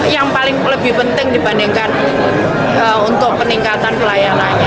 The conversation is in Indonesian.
yang paling lebih penting dibandingkan untuk peningkatan pelayanannya